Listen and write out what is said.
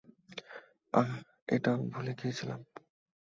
আহ, এটাও ভুলে গিয়েছিলাম।